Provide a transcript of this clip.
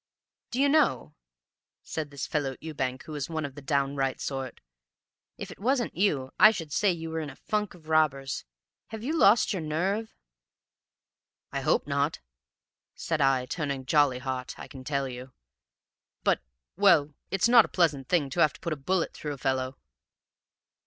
"'Do you know,' said this fellow Ewbank, who was one of the downright sort, 'if it wasn't you, I should say you were in a funk of robbers? Have you lost your nerve?' "'I hope not,' said I, turning jolly hot, I can tell you; 'but well, it is not a pleasant thing to have to put a bullet through a fellow!'